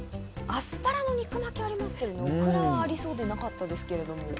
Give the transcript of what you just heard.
アスパラの肉巻きありますけれども、これはありそうでなかったですけれども。